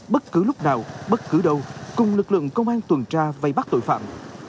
bất cứ lúc nào bất cứ đâu cùng lực lượng công an tuần tra vây bắt tội phạm